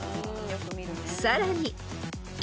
［さらに］